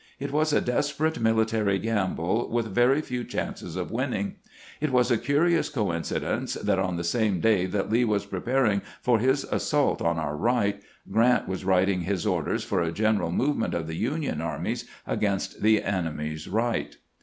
It was a desperate military gamble, with very few chances of winning. It was a curious coincidence that on the same day that Lee was preparing for his assault on our right, Grrant was writing his orders for a general movement of the Union armies against the enemy's right.